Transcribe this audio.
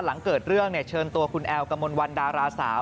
หลังเกิดเรื่องเชิญตัวคุณแอลกมลวันดาราสาว